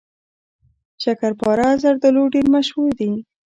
شکرپاره زردالو ډیر مشهور دي.